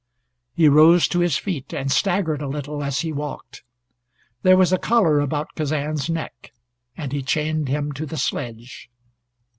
He rose to his feet, and staggered a little as he walked. There was a collar about Kazan's neck, and he chained him to the sledge.